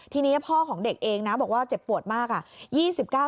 ทีนี้พ่อของเด็กเองนะบอกว่าเจ็บปวดมาก